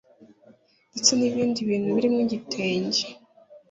Ndetse n ibindi bintu birimo igitenge